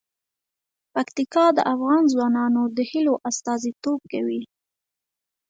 پکتیکا د افغان ځوانانو د هیلو استازیتوب کوي.